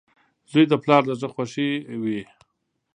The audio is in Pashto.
• زوی د پلار د زړۀ خوښي وي.